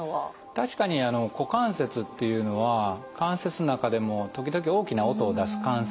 確かに股関節っていうのは関節の中でも時々大きな音を出す関節として知られてます。